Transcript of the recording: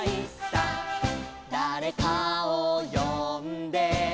「だれかをよんで」